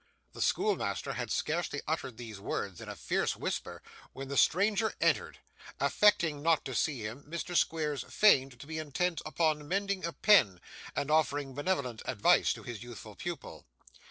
The schoolmaster had scarcely uttered these words in a fierce whisper, when the stranger entered. Affecting not to see him, Mr. Squeers feigned to be intent upon mending a pen, and offering benevolent advice to his youthful pupil.